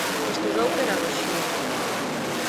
Estudou pedagoxía.